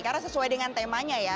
karena sesuai dengan temanya ya